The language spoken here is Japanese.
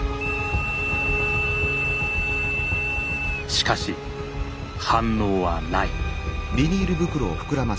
しかし反応はない。